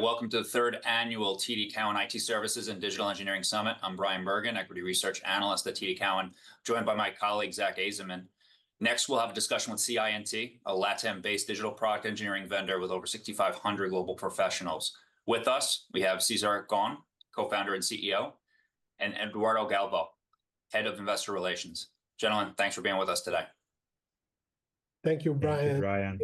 All right, Welcome to the Third Annual TD Cowen IT Services and Digital Engineering Summit. I'm Brian Bergin, Equity Research Analyst at TD Cowen, joined by my colleague, Zach Ajzenman. Next, we'll have a discussion with CI&T, a LATAM-based digital product engineering vendor with over 6,500 global professionals. With us, we have Cesar Gon, Co-founder and CEO, and Eduardo Galvão, Head of Investor Relations. Gentlemen, thanks for being with us today. Thank you, Brian. Thank you, Brian.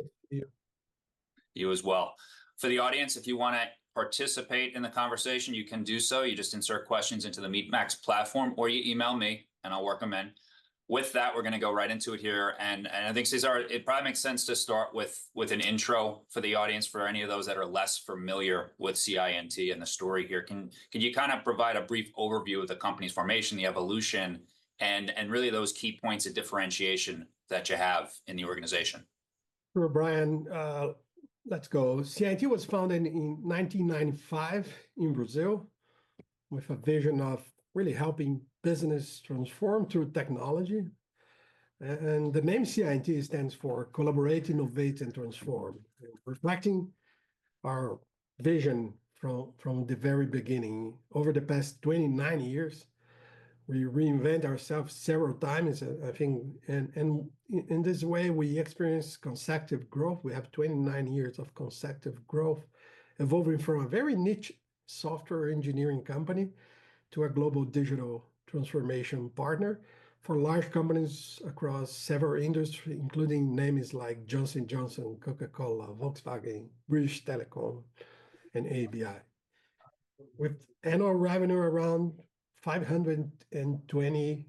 You as well. For the audience, if you want to participate in the conversation, you can do so. You just insert questions into the MeetMax platform or you email me, and I'll work them in. With that, we're going to go right into it here, and I think, Cesar, it probably makes sense to start with an intro for the audience, for any of those that are less familiar with CI&T and the story here. Can you kind of provide a brief overview of the company's formation, the evolution, and really those key points of differentiation that you have in the organization? Sure, Brian. Let's go. CI&T was founded in 1995 in Brazil with a vision of really helping business transform through technology, and the name CI&T stands for Collaborate, Innovate, and Transform, reflecting our vision from the very beginning. Over the past 29 years, we reinvented ourselves several times, I think, and in this way, we experienced consecutive growth. We have 29 years of consecutive growth, evolving from a very niche software engineering company to a global digital transformation partner for large companies across several industries, including names like Johnson & Johnson, Coca-Cola, Volkswagen, British Telecom, and ABI. With annual revenue around $520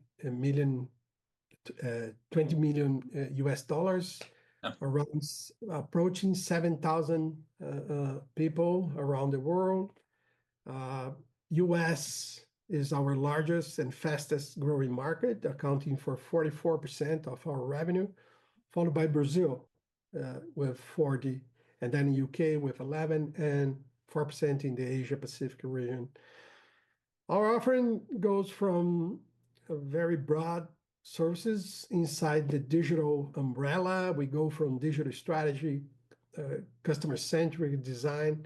million U.S. dollars, around approaching 7,000 people around the world. The U.S. is our largest and fastest growing market, accounting for 44% of our revenue, followed by Brazil with 40%, and then the U.K. with 11% and 4% in the Asia-Pacific region. Our offering goes from very broad services inside the digital umbrella. We go from digital strategy, customer-centric design,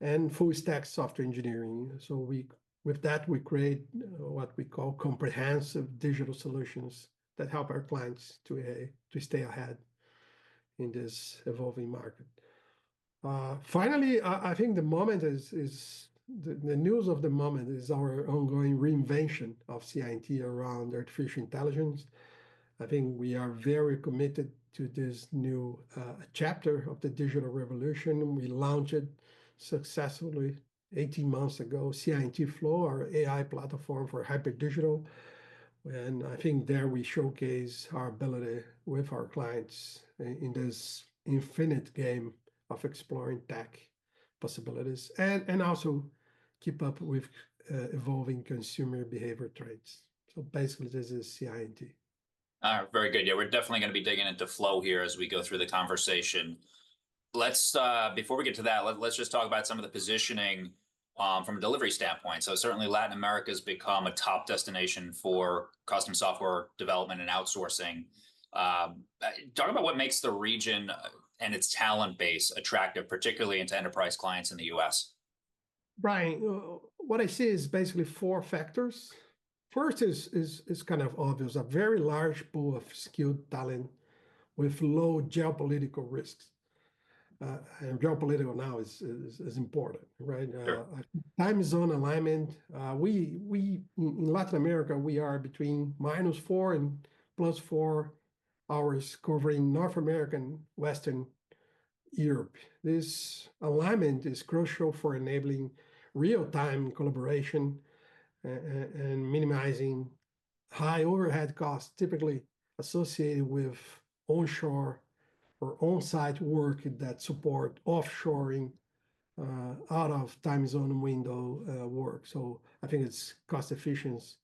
and full-stack software engineering. So with that, we create what we call comprehensive digital solutions that help our clients to stay ahead in this evolving market. Finally, I think the news of the moment is our ongoing reinvention of CI&T around artificial intelligence. I think we are very committed to this new chapter of the digital revolution. We launched it successfully 18 months ago, CI&T Flow, our AI platform for hybrid digital. And I think there we showcase our ability with our clients in this infinite game of exploring tech possibilities and also keep up with evolving consumer behavior trends. So basically, this is CI&T. Very good. Yeah, we're definitely going to be digging into Flow here as we go through the conversation. Before we get to that, let's just talk about some of the positioning from a delivery standpoint. So certainly, Latin America has become a top destination for custom software development and outsourcing. Talk about what makes the region and its talent base attractive, particularly into enterprise clients in the U.S. Brian, what I see is basically four factors. First is kind of obvious, a very large pool of skilled talent with low geopolitical risks, and geopolitical now is important, right? Time zone alignment. In Latin America, we are between minus four and plus four hours covering North America, Western Europe. This alignment is crucial for enabling real-time collaboration and minimizing high overhead costs typically associated with onshore or onsite work that support offshoring out of time zone window work, so I think cost efficiency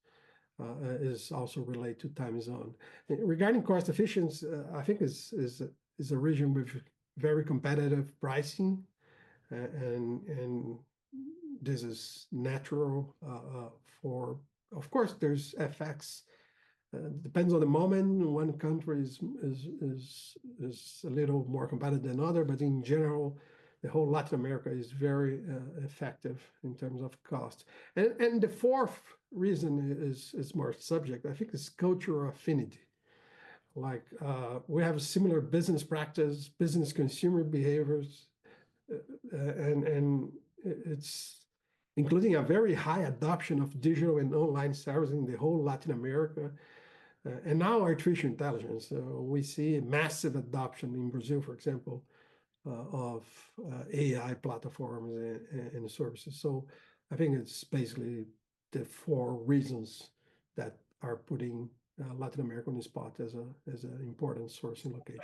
is also related to time zone. Regarding cost efficiency, I think it's a region with very competitive pricing, and this is natural for, of course, there's effects. It depends on the moment. One country is a little more competitive than another, but in general, the whole Latin America is very effective in terms of cost, and the fourth reason is more subject. I think it's culture affinity. We have similar business practices, business consumer behaviors, including a very high adoption of digital and online services in the whole Latin America. And now artificial intelligence. We see massive adoption in Brazil, for example, of AI platforms and services. So I think it's basically the four reasons that are putting Latin America on the spot as an important source and location.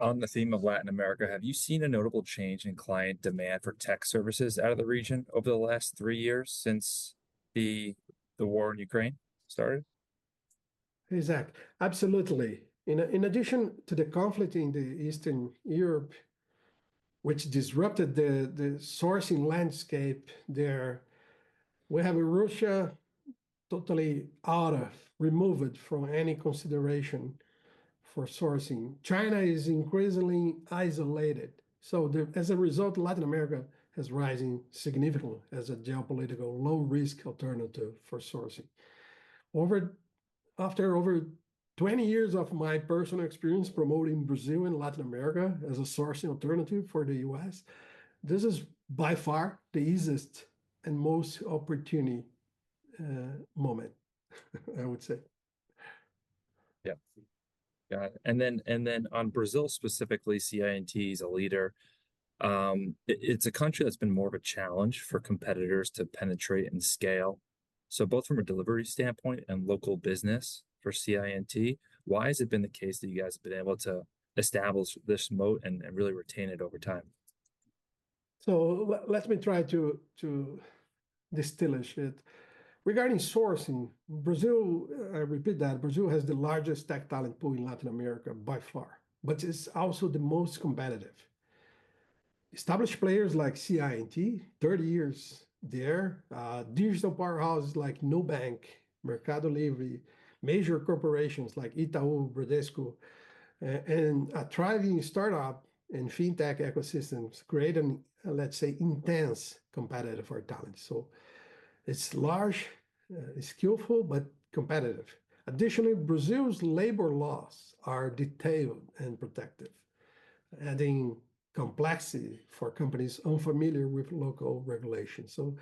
On the theme of Latin America, have you seen a notable change in client demand for tech services out of the region over the last three years since the war in Ukraine started? Exactly. Absolutely. In addition to the conflict in Eastern Europe, which disrupted the sourcing landscape there, we have Russia totally out of, removed from any consideration for sourcing. China is increasingly isolated. So as a result, Latin America is rising significantly as a geopolitical low-risk alternative for sourcing. After over 20 years of my personal experience promoting Brazil and Latin America as a sourcing alternative for the US, this is by far the easiest and most opportune moment, I would say. Yeah. And then on Brazil specifically, CI&T is a leader. It's a country that's been more of a challenge for competitors to penetrate and scale. So both from a delivery standpoint and local business for CI&T, why has it been the case that you guys have been able to establish this moat and really retain it over time? So let me try to distill it. Regarding sourcing, Brazil, I repeat that, Brazil has the largest tech talent pool in Latin America by far, but it's also the most competitive. Established players like CI&T, 30 years there, digital powerhouses like Nubank, Mercado Livre, major corporations like Itaú, Bradesco, and a thriving startup in fintech ecosystems create an, let's say, intense competition for talent. So it's large, skilled, but competitive. Additionally, Brazil's labor laws are detailed and protective, adding complexity for companies unfamiliar with local regulations. So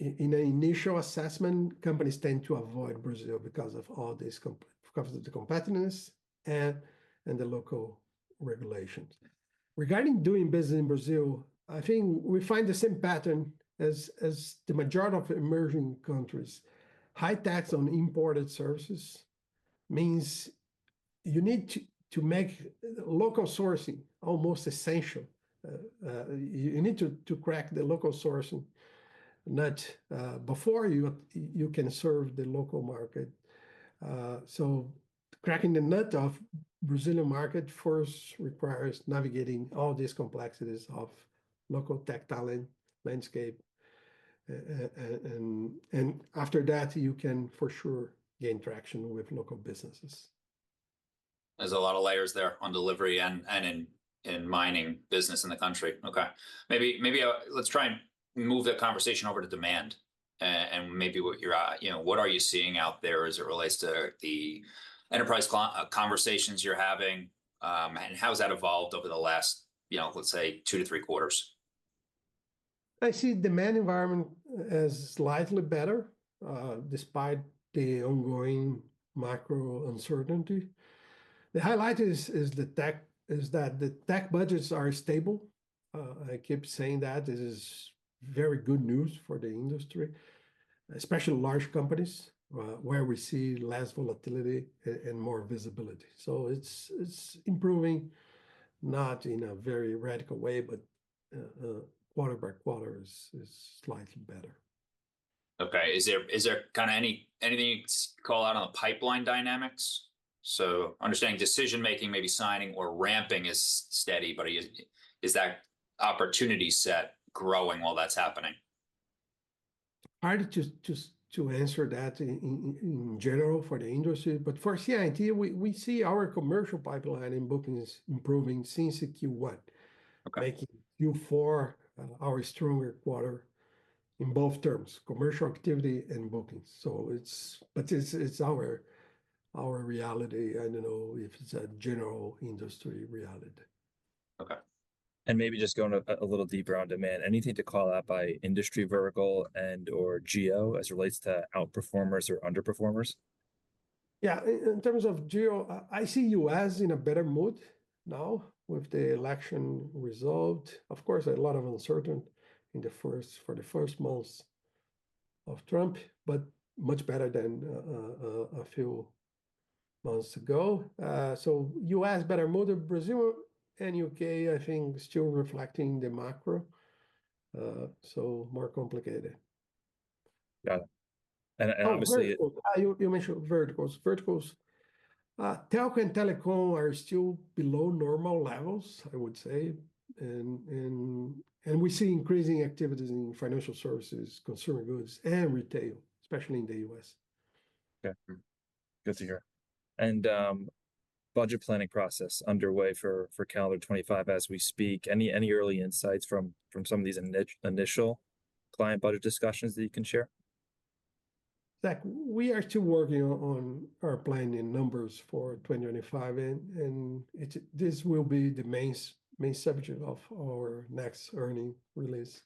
in an initial assessment, companies tend to avoid Brazil because of all this competitiveness and the local regulations. Regarding doing business in Brazil, I think we find the same pattern as the majority of emerging countries. High tax on imported services means you need to make local sourcing almost essential. You need to crack the local sourcing nut before you can serve the local market. So cracking the nut of the Brazilian market first requires navigating all these complexities of local tech talent landscape. And after that, you can for sure gain traction with local businesses. There's a lot of layers there on delivery and in mining business in the country. Okay. Maybe let's try and move that conversation over to demand. And maybe what you're at, what are you seeing out there as it relates to the enterprise conversations you're having? And how has that evolved over the last, let's say, two to three quarters? I see the demand environment is slightly better despite the ongoing macro uncertainty. The highlight is that the tech budgets are stable. I keep saying that. This is very good news for the industry, especially large companies where we see less volatility and more visibility. So it's improving, not in a very radical way, but quarter by quarter is slightly better. Okay. Is there kind of anything you'd call out on the pipeline dynamics? So understanding decision-making, maybe signing or ramping is steady, but is that opportunity set growing while that's happening? Hard to answer that in general for the industry. But for CI&T, we see our commercial pipeline and bookings improving since Q1, making Q4 our stronger quarter in both terms, commercial activity and bookings. But it's our reality. I don't know if it's a general industry reality. Okay. And maybe just going a little deeper on demand, anything to call out by industry vertical and/or geo as it relates to outperformers or underperformers? Yeah. In terms of geo, I see the U.S. in a better mood now with the election result. Of course, a lot of uncertainty for the first months of Trump, but much better than a few months ago. So U.S. better mood. Brazil and U.K., I think, still reflecting the macro. So more complicated. Yeah, and obviously. You mentioned verticals. Verticals. Telco and telecom are still below normal levels, I would say. And we see increasing activities in financial services, consumer goods, and retail, especially in the U.S. Good to hear. And budget planning process underway for calendar 2025 as we speak. Any early insights from some of these initial client budget discussions that you can share? We are still working on our planning numbers for 2025, and this will be the main subject of our next earnings release.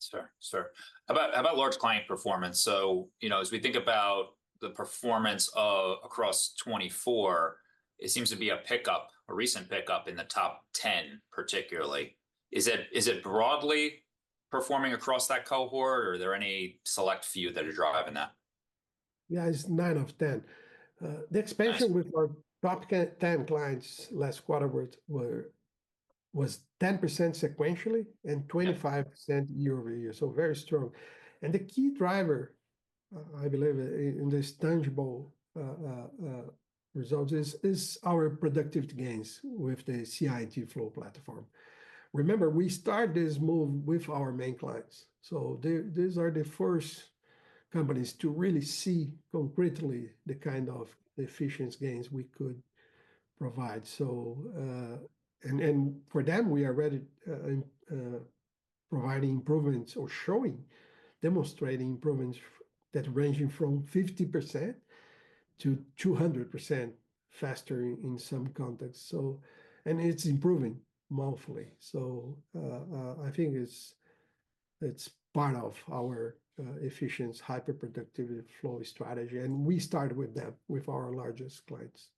Sure. Sure. How about large client performance? So as we think about the performance across 2024, it seems to be a pickup, a recent pickup in the top 10, particularly. Is it broadly performing across that cohort, or are there any select few that are driving that? Yeah, it's nine of 10. The expansion with our top 10 clients last quarter was 10% sequentially and 25% year over year, so very strong. And the key driver, I believe, in this tangible results is our productive gains with the CI&T Flow platform. Remember, we started this move with our main clients, so these are the first companies to really see concretely the kind of efficiency gains we could provide. And for them, we are already providing improvements or showing, demonstrating improvements that range from 50%-200% faster in some context, and it's improving monthly. So I think it's part of our efficient hyperproductivity flow strategy, and we started with them with our largest clients.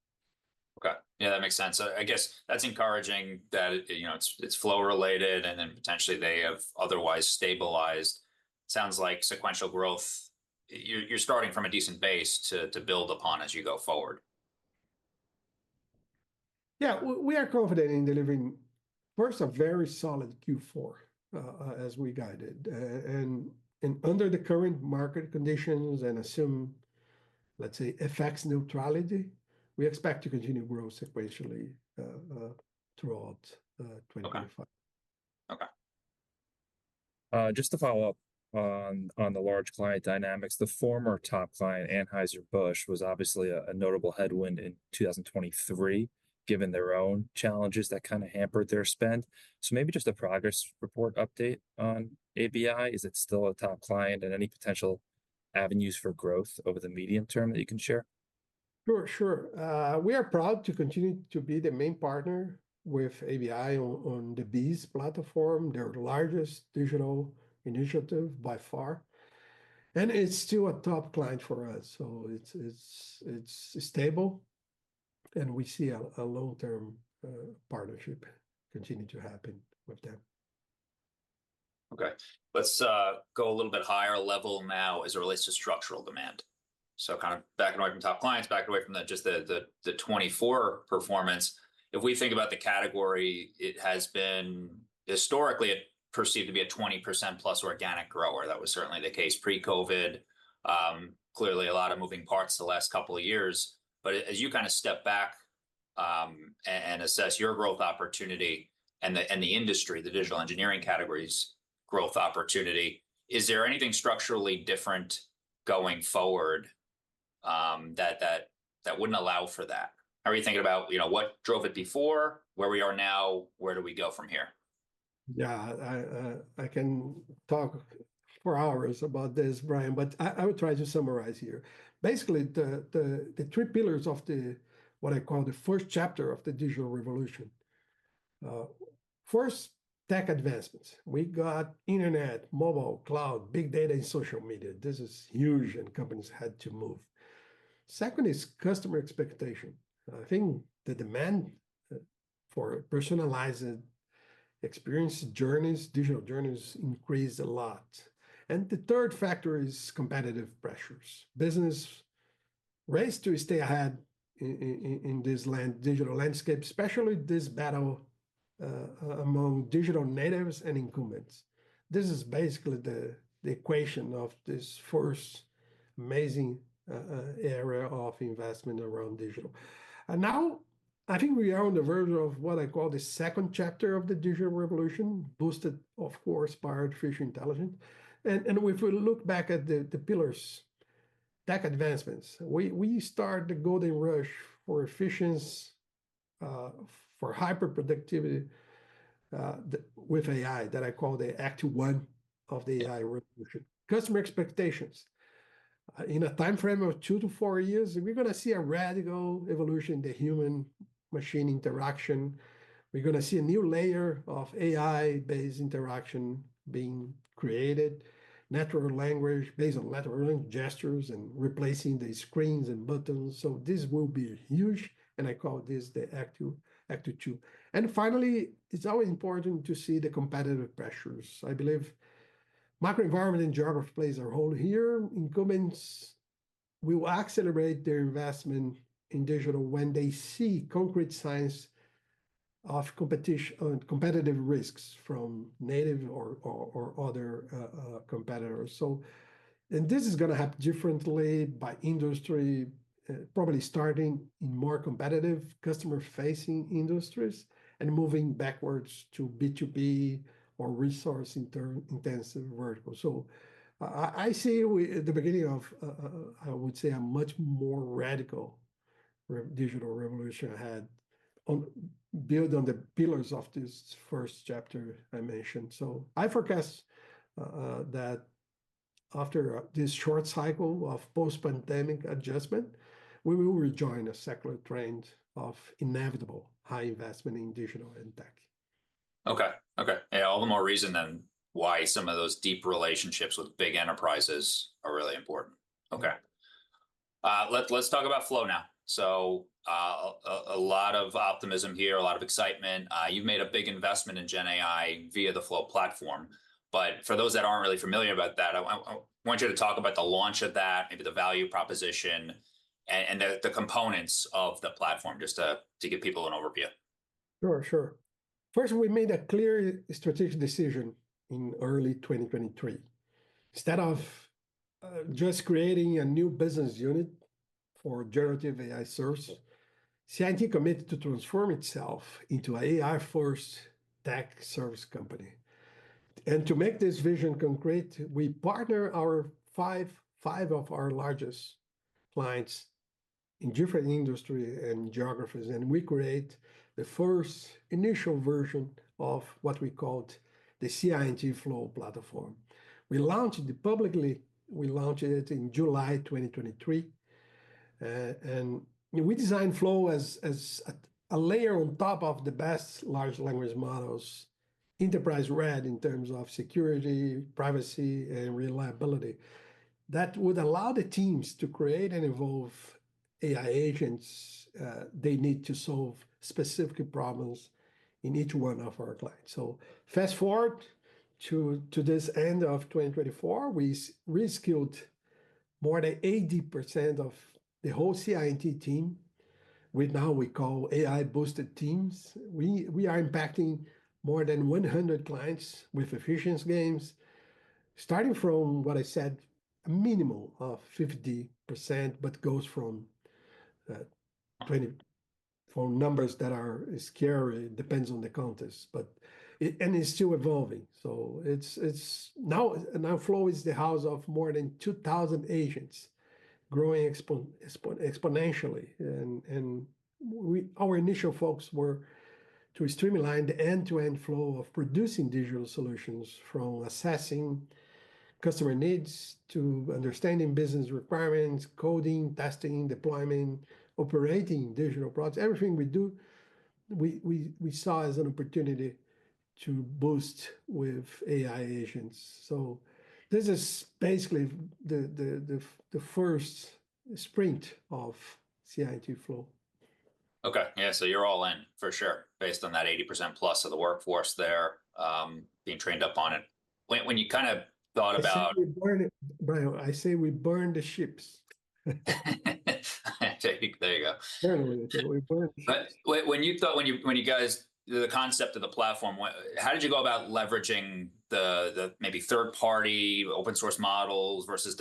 Okay. Yeah, that makes sense. So I guess that's encouraging that it's flow-related and then potentially they have otherwise stabilized. Sounds like sequential growth, you're starting from a decent base to build upon as you go forward. Yeah, we are confident in delivering, first, a very solid Q4 as we guided, and under the current market conditions and assume, let's say, effects neutrality, we expect to continue growth sequentially throughout 2025. Okay. Just to follow up on the large client dynamics, the former top client, Anheuser-Busch, was obviously a notable headwind in 2023, given their own challenges that kind of hampered their spend. So maybe just a progress report update on ABI. Is it still a top client and any potential avenues for growth over the medium term that you can share? Sure, sure. We are proud to continue to be the main partner with ABI on the BEES platform, their largest digital initiative by far. And it's still a top client for us. So it's stable. And we see a long-term partnership continue to happen with them. Okay. Let's go a little bit higher level now as it relates to structural demand. So kind of backing away from top clients, backing away from just the '24 performance. If we think about the category, it has been historically perceived to be a 20% plus organic grower. That was certainly the case pre-COVID. Clearly, a lot of moving parts the last couple of years. But as you kind of step back and assess your growth opportunity and the industry, the digital engineering category's growth opportunity, is there anything structurally different going forward that wouldn't allow for that? Are you thinking about what drove it before, where we are now, where do we go from here? Yeah, I can talk for hours about this, Brian, but I will try to summarize here. Basically, the three pillars of what I call the first chapter of the digital revolution. First, tech advancements. We got internet, mobile, cloud, big data, and social media. This is huge, and companies had to move. Second is customer expectation. I think the demand for personalized experience journeys, digital journeys increased a lot, and the third factor is competitive pressures. Business raced to stay ahead in this digital landscape, especially this battle among digital natives and incumbents. This is basically the equation of this first amazing area of investment around digital, and now, I think we are on the verge of what I call the second chapter of the digital revolution, boosted, of course, by artificial intelligence. And if we look back at the pillars, tech advancements, we start the golden rush for efficiency, for hyperproductivity with AI that I call the act one of the AI revolution. Customer expectations in a timeframe of two-to-four years, we're going to see a radical evolution in the human-machine interaction. We're going to see a new layer of AI-based interaction being created, natural language based on natural language gestures and replacing the screens and buttons. So this will be huge. And I call this the act two. And finally, it's always important to see the competitive pressures. I believe macro environment and geography plays a role here. Incumbents will accelerate their investment in digital when they see concrete signs of competitive risks from native or other competitors. And this is going to happen differently by industry, probably starting in more competitive customer-facing industries and moving backwards to B2B or resource-intensive verticals. So I see the beginning of, I would say, a much more radical digital revolution ahead built on the pillars of this first chapter I mentioned. So I forecast that after this short cycle of post-pandemic adjustment, we will rejoin a cycle, trend of inevitable high investment in digital and tech. Okay. Okay. All the more reason then why some of those deep relationships with big enterprises are really important. Okay. Let's talk about Flow now. So a lot of optimism here, a lot of excitement. You've made a big investment in GenAI via the Flow platform. But for those that aren't really familiar about that, I want you to talk about the launch of that, maybe the value proposition, and the components of the platform just to give people an overview. Sure, sure. First, we made a clear strategic decision in early 2023. Instead of just creating a new business unit for generative AI service, CI&T committed to transform itself into an AI-first tech service company, and to make this vision concrete, we partnered our five of our largest clients in different industries and geographies, and we created the first initial version of what we called the CI&T Flow platform. We launched it publicly. We launched it in July 2023, and we designed Flow as a layer on top of the best large language models, enterprise-ready in terms of security, privacy, and reliability that would allow the teams to create and evolve AI agents they need to solve specific problems in each one of our clients, so fast forward to this end of 2024, we reskilled more than 80% of the whole CI&T team, which now we call AI-boosted teams. We are impacting more than 100 clients with efficiency gains, starting from what I said, a minimum of 50%, but goes from numbers that are scary. It depends on the context, and it's still evolving, so now Flow is the house of more than 2,000 agents growing exponentially, and our initial focus was to streamline the end-to-end flow of producing digital solutions from assessing customer needs to understanding business requirements, coding, testing, deployment, operating digital products. Everything we do, we saw as an opportunity to boost with AI agents, so this is basically the first sprint of CI&T Flow. Okay. Yeah. So you're all in for sure based on that 80% plus of the workforce there being trained up on it. When you kind of thought about. I say we burned the ships. There you go. When you thought, when you guys the concept of the platform, how did you go about leveraging, maybe, third-party open-source models versus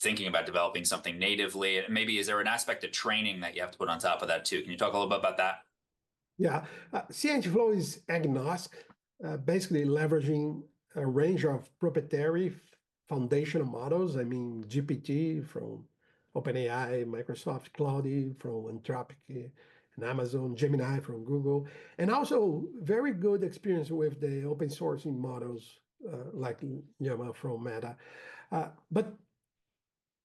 thinking about developing something natively? Maybe, is there an aspect of training that you have to put on top of that too? Can you talk a little bit about that? Yeah. CI&T Flow is agnostic, basically leveraging a range of proprietary foundational models. I mean, GPT from OpenAI, Claude from Anthropic, and Gemini from Google. And also very good experience with the open-source models like Llama from Meta. But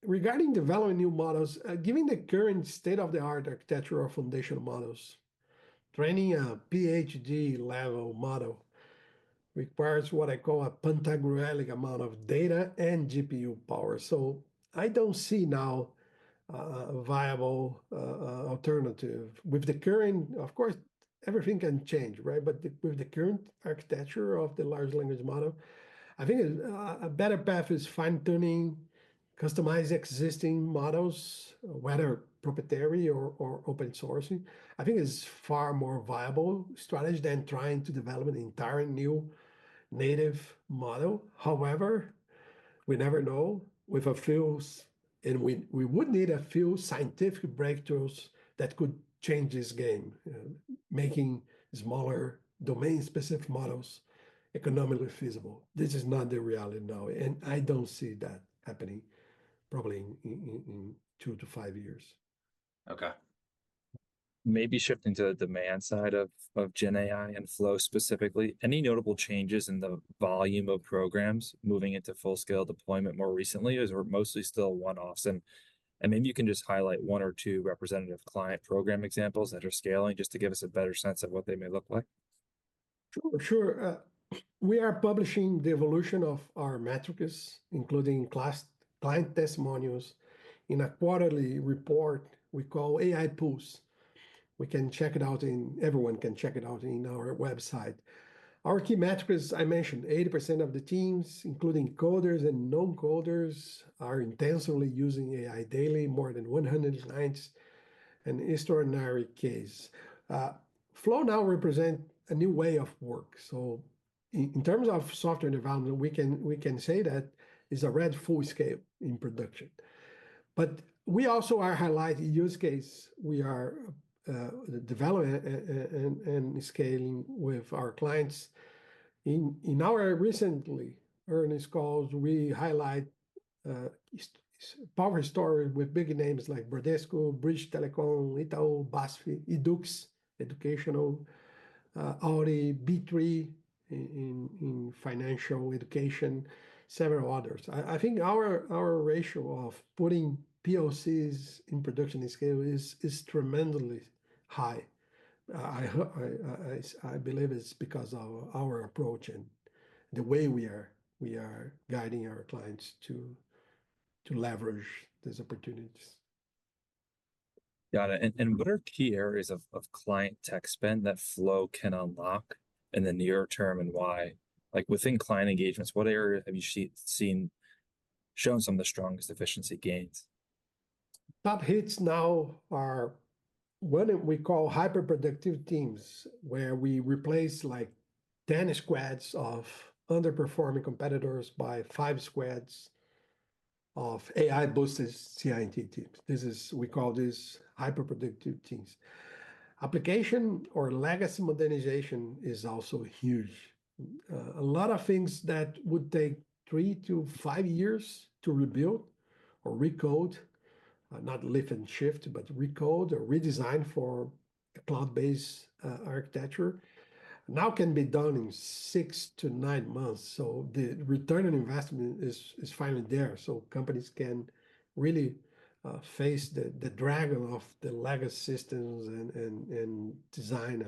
regarding developing new models, given the current state-of-the-art architecture of foundational models, training a PhD-level model requires what I call a pentagruelic amount of data and GPU power. So I don't see now a viable alternative with the current. Of course, everything can change, right? But with the current architecture of the large language model, I think a better path is fine-tuning, customizing existing models, whether proprietary or open-source. I think it's a far more viable strategy than trying to develop an entirely new native model. However, we never know with a few, and we would need a few scientific breakthroughs that could change this game, making smaller domain-specific models economically feasible. This is not the reality now, and I don't see that happening probably in two to five years. Okay. Maybe shifting to the demand side of GenAI and Flow specifically, any notable changes in the volume of programs moving into full-scale deployment more recently? Those are mostly still one-offs, and maybe you can just highlight one or two representative client program examples that are scaling just to give us a better sense of what they may look like. Sure, sure. We are publishing the evolution of our metrics, including client testimonials in a quarterly report we call AI Pulse. We can check it out, and everyone can check it out on our website. Our key metrics, I mentioned, 80% of the teams, including coders and non-coders, are intensively using AI daily, more than 190, an extraordinary case. Flow now represents a new way of work. So in terms of software development, we can say that it's ready full-scale in production. But we also are highlighting use cases. We are developing and scaling with our clients. In our recently earnings calls, we highlight powerful stories with big names like Bradesco, British Telecom, Itaú, BASF, YDUQS, Audi, B3 in financial education, several others. I think our ratio of putting POCs in production scale is tremendously high. I believe it's because of our approach and the way we are guiding our clients to leverage these opportunities. Got it. And what are key areas of client tech spend that Flow can unlock in the near term and why? Like within client engagements, what area have you seen shown some of the strongest efficiency gains? Top hits now are what we call hyperproductive teams, where we replace like 10 squads of underperforming competitors by five squads of AI-boosted CI&T teams. We call this hyperproductive teams. Application or legacy modernization is also huge. A lot of things that would take three to five years to rebuild or recode, not lift and shift, but recode or redesign for a cloud-based architecture now can be done in six to nine months. So the return on investment is finally there. So companies can really face the dragon of the legacy systems and design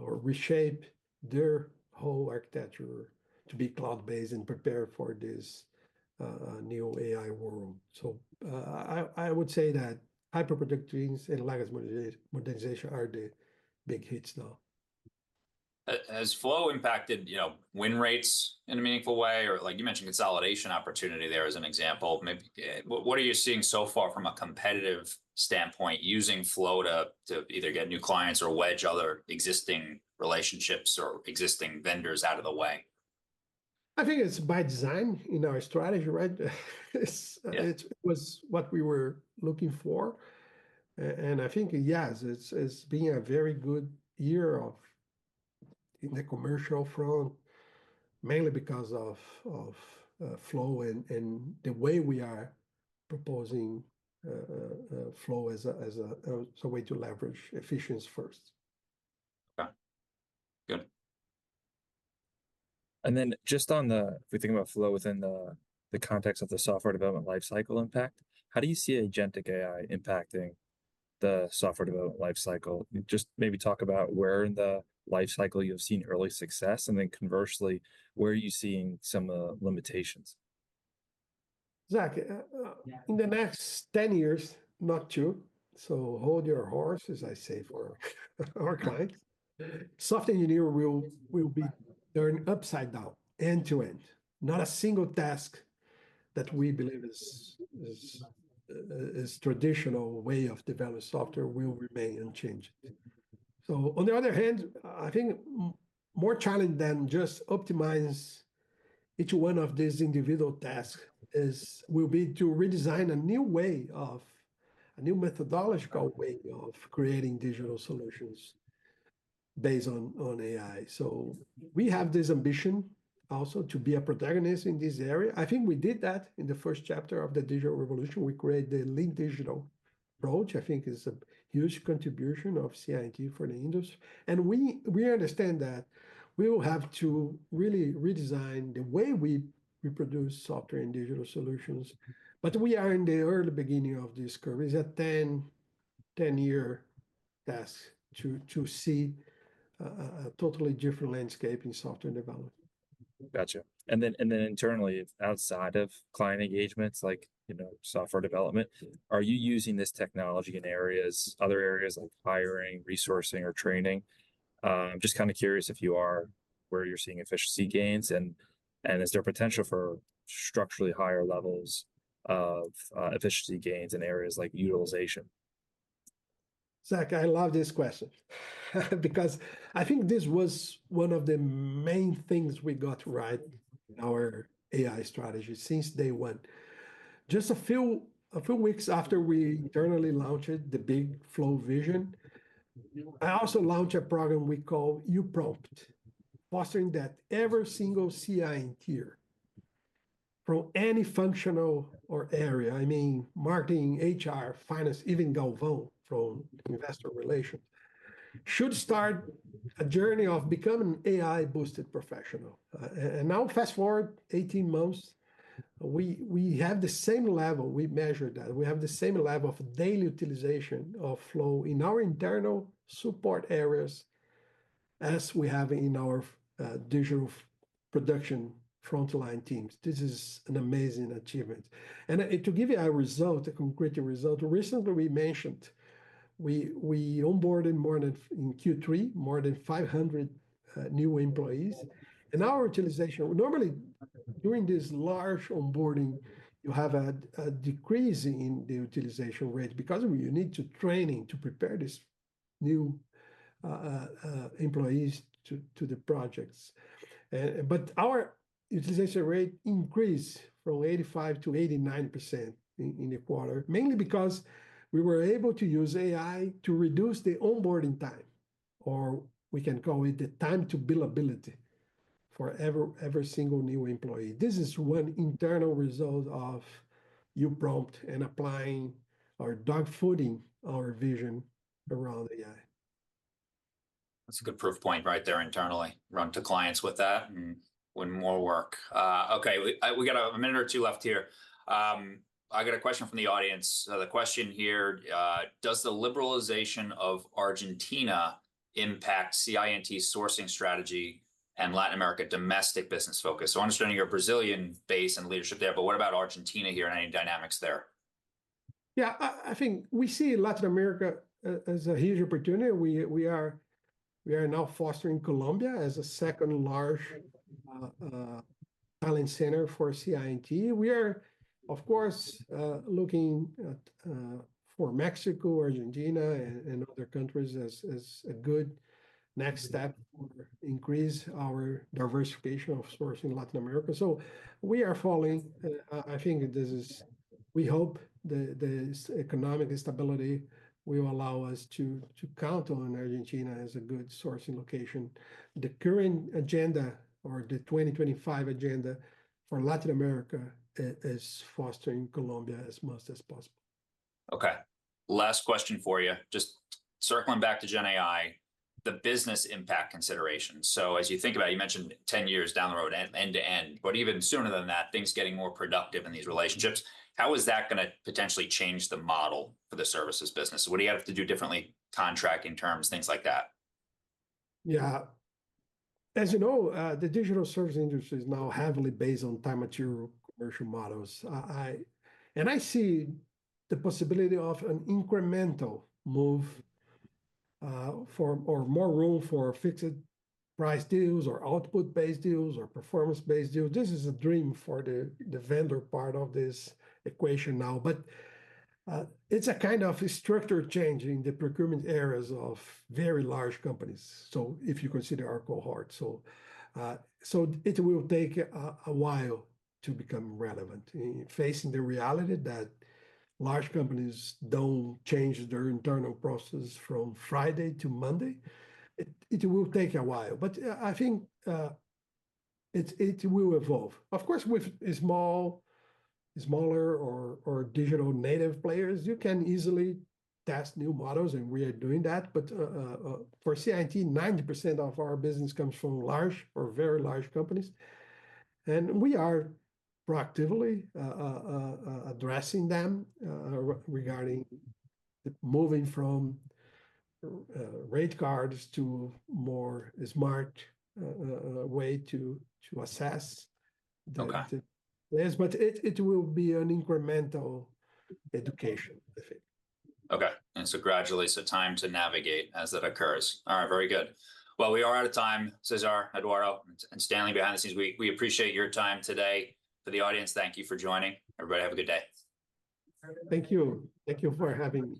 or reshape their whole architecture to be cloud-based and prepare for this new AI world. So I would say that hyperproductive teams and legacy modernization are the big hits now. Has Flow impacted win rates in a meaningful way? Or like you mentioned, consolidation opportunity there as an example. What are you seeing so far from a competitive standpoint using Flow to either get new clients or wedge other existing relationships or existing vendors out of the way? I think it's by design in our strategy, right? It was what we were looking for. And I think, yes, it's been a very good year in the commercial front, mainly because of Flow and the way we are proposing Flow as a way to leverage efficiency first. Okay. Good. And then just on the, if we think about Flow within the context of the software development lifecycle impact, how do you see agentic AI impacting the software development lifecycle? Just maybe talk about where in the lifecycle you've seen early success, and then conversely, where are you seeing some limitations? Zach, in the next 10 years, not true. Hold your horses, as I say for our clients. Software engineering will be turned upside down end to end. Not a single task that we believe is a traditional way of developing software will remain unchanged. On the other hand, I think more challenging than just optimizing each one of these individual tasks will be to redesign a new way of a new methodological way of creating digital solutions based on AI. We have this ambition also to be a protagonist in this area. I think we did that in the first chapter of the digital revolution. We created the Lean Digital approach. I think it is a huge contribution of CI&T for the industry. We understand that we will have to really redesign the way we produce software and digital solutions. But we are in the early beginning of this curve. It's a 10-year task to see a totally different landscape in software development. Gotcha. And then internally, outside of client engagements, like software development, are you using this technology in other areas like hiring, resourcing, or training? I'm just kind of curious if you are where you're seeing efficiency gains, and is there potential for structurally higher levels of efficiency gains in areas like utilization? Zach, I love this question because I think this was one of the main things we got right in our AI strategy since day one. Just a few weeks after we internally launched the big Flow vision, I also launched a program we call UPrompt, fostering that every single CI&T from any functional area, I mean, marketing, HR, finance, even Galvão from investor relations, should start a journey of becoming an AI-boosted professional. And now fast forward 18 months, we have the same level. We measure that. We have the same level of daily utilization of Flow in our internal support areas as we have in our digital production frontline teams. This is an amazing achievement. And to give you a result, a concrete result, recently we mentioned we onboarded more than in Q3, more than 500 new employees. And our utilization, normally during this large onboarding, you have a decrease in the utilization rate because you need training to prepare these new employees for the projects. But our utilization rate increased from 85%-89% in the quarter, mainly because we were able to use AI to reduce the onboarding time, or we can call it the time-to-build ability for every single new employee. This is one internal result of UPrompt and applying or dogfooding our vision around AI. That's a good proof point right there internally. Run to clients with that and win more work. Okay. We got a minute or two left here. I got a question from the audience. The question here, does the liberalization of Argentina impact CI&T sourcing strategy and Latin America domestic business focus? So understanding your Brazilian base and leadership there, but what about Argentina here and any dynamics there? Yeah, I think we see Latin America as a huge opportunity. We are now fostering Colombia as a second large talent center for CI&T. We are, of course, looking for Mexico, Argentina, and other countries as a good next step for increasing our diversification of sourcing in Latin America. So we are following. I think this is, we hope the economic stability will allow us to count on Argentina as a good sourcing location. The current agenda or the 2025 agenda for Latin America is fostering Colombia as much as possible. Okay. Last question for you. Just circling back to GenAI, the business impact considerations. So as you think about it, you mentioned 10 years down the road, end to end, but even sooner than that, things getting more productive in these relationships. How is that going to potentially change the model for the services business? What do you have to do differently, contracting terms, things like that? Yeah. As you know, the digital service industry is now heavily based on time and material commercial models, and I see the possibility of an incremental move or more room for fixed-price deals or output-based deals or performance-based deals. This is a dream for the vendor part of this equation now. But it's a kind of structural change in the procurement areas of very large companies, so if you consider our cohort, so it will take a while to become relevant. Facing the reality that large companies don't change their internal processes from Friday to Monday, it will take a while, but I think it will evolve. Of course, with smaller or digital native players, you can easily test new models, and we are doing that, but for CI&T, 90% of our business comes from large or very large companies. We are proactively addressing them regarding moving from rate cards to a more smart way to assess the players. It will be an incremental education, I think. Okay. And so gradually, so time to navigate as that occurs. All right, very good. Well, we are out of time, Cesar, Eduardo, and Stanley behind the scenes. We appreciate your time today. For the audience, thank you for joining. Everybody, have a good day. Thank you. Thank you for having.